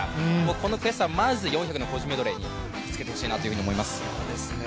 この悔しさはまず４００の個人メドレーにぶつけてほしいなと思います。